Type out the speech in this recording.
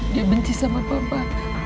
dia benci sama papa